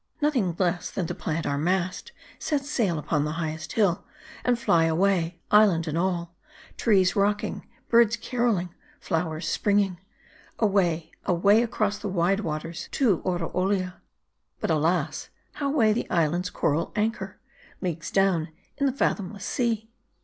Nothing less, than to plant our mast, sail set, upon the highest hill ; and fly away, island and all ; trees rocking, birds caroling, flowers springing ; away, away, across the wide waters, to Oroolia ! But alas ! how weigh the isle's coral anchor, leagues down in the fathomless sea